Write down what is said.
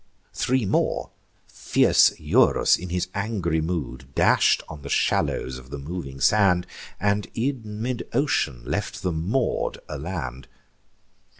Three more fierce Eurus, in his angry mood, Dash'd on the shallows of the moving sand, And in mid ocean left them moor'd a land.